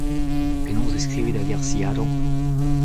Penaos e skrivit ar ger Seattle ?